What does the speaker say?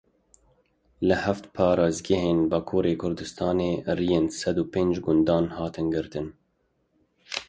Li heft parêzgehên Bakurê Kurdistanê rêyên sed û pênc gundan hatin girtin.